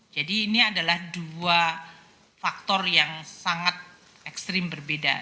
jadi ini adalah dua faktor yang sangat ekstrim berbeda